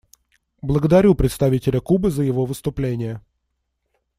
Благодарю представителя Кубы за его выступление.